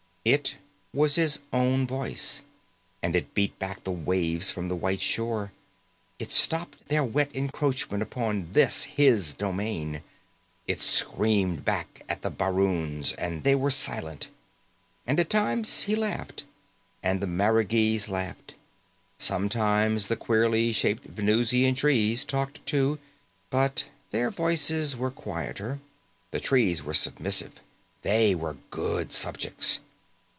It was his own voice, and it beat back the waves from the white shore, it stopped their wet encroachment upon this, his domain. It screamed back at the baroons and they were silent. And at times he laughed, and the marigees laughed. Sometimes, the queerly shaped Venusian trees talked too, but their voices were quieter. The trees were submissive, they were good subjects.